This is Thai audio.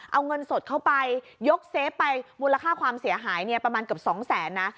เอาเงินสดเข้าไปยกเซฟไปมูลค่าความเสียหายเนี่ยประมาณเกือบสองแสนนะ